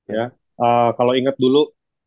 ya kalau inget dulu